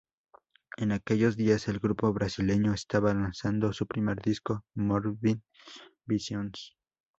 En aquellos días el grupo brasilero estaba lanzando su primer disco Morbid visions.